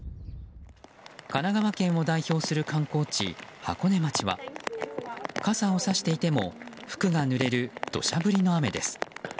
神奈川県を代表する観光地箱根町は傘をさしていても服がぬれる土砂降りの雨です。